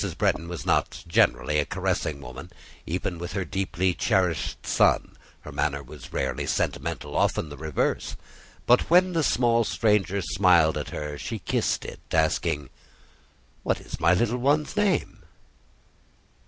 Bretton was not generally a caressing woman: even with her deeply cherished son, her manner was rarely sentimental, often the reverse; but when the small stranger smiled at her, she kissed it, asking, "What is my little one's name?"